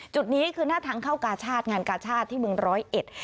จุดนี้คือหน้าทางเข้ากาชาติงานกาชาติที่เมืองร้อยเอ็ด